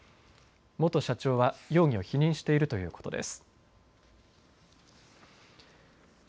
元社長は容疑を否認しているということです。